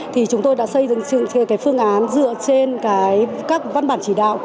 thì chúng tôi đã xây dựng cái phương án dựa trên các văn bản chỉ đạo